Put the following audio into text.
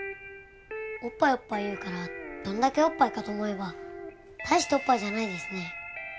おっぱいおっぱい言うからどんだけおっぱいかと思えば大しておっぱいじゃないですね。